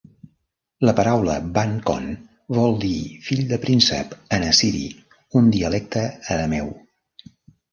La paraula Ban-Kon vol dir "fill de príncep" en assiri, un dialecte arameu.